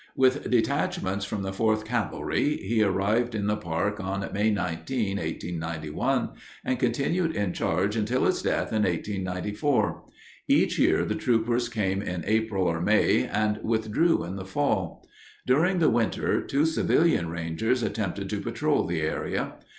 With detachments from the Fourth Cavalry he arrived in the park on May 19, 1891, and continued in charge until his death in 1894. Each year the troopers came in April or May and withdrew in the fall. During the winter two civilian rangers attempted to patrol the area.